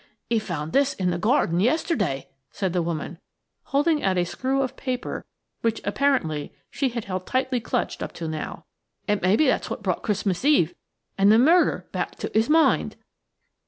"He found this in the garden yesterday," said the woman, holding out a screw of paper which apparently she had held tightly clutched up to now, "and maybe that's what brought Christmas Eve and the murder back to his mind."